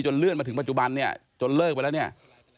จนเลื่อนมาถึงปัจจุบันเนี่ยต้องการล้มหมวยจริง